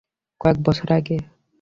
কয়েক বছর আগে।